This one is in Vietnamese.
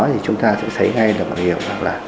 thì chúng ta sẽ thấy ngay được hiểu